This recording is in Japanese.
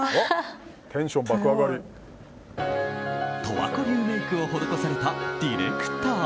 十和子流メイクを施されたディレクター。